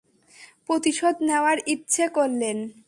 প্রতিশোধ নেয়ার ইচ্ছে করলেন।